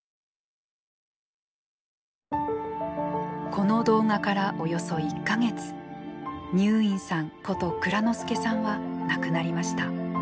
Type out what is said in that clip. この動画からおよそ１か月にゅーいんさんこと蔵之介さんは亡くなりました。